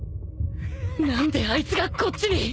何であいつがこっちに。